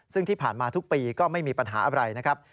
ซึ่งที่ผ่านมาทุกปีก็ไม่มีปัญหาอะไรนะครับ